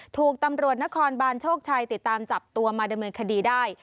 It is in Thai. ถูกตำรวจนครบานโชคชัยติดตามจับตัวมาดำเนินคดีได้